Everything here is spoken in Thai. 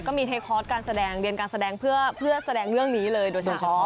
มีเทคอร์สการแสดงเรียนการแสดงเพื่อแสดงเรื่องนี้เลยโดยเฉพาะ